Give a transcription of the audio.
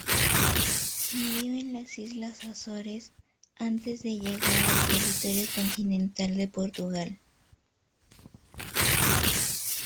Murió en las islas Azores, antes de llegar a territorio continental de Portugal.